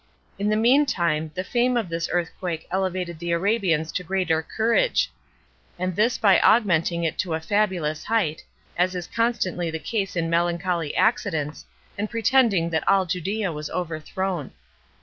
In the mean time, the fame of this earthquake elevated the Arabians to greater courage, and this by augmenting it to a fabulous height, as is constantly the case in melancholy accidents, and pretending that all Judea was overthrown.